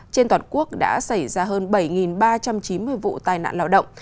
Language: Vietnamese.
trên toàn quốc đã xảy ra hơn bảy ba trăm chín mươi vụ tai nạn lao động